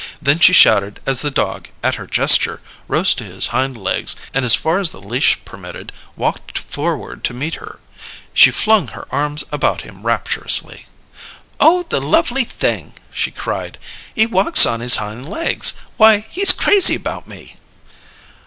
Then she shouted as the dog, at her gesture, rose to his hind legs, and, as far as the leash permitted, walked forward to meet her. She flung her arms about him rapturously. "Oh, the lovely thing!" she cried. "He walks on his hind legs! Why, he's crazy about me!"